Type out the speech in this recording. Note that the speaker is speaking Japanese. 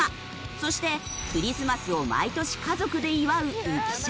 そしてクリスマスを毎年家族で祝う浮所。